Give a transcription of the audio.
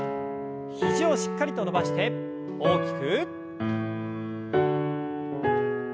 肘をしっかりと伸ばして大きく。